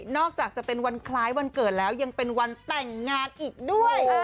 อกจากจะเป็นวันคล้ายวันเกิดแล้วยังเป็นวันแต่งงานอีกด้วย